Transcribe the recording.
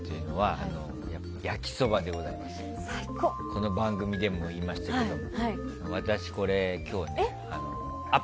この番組でも言いましたけど私、これ今日あ